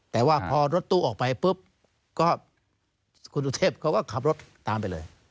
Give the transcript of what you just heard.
แต่ว่าพอรถตู้ออกไปปุ๊บก็คุณสุเทพเขาก็ขับรถตามไปเลย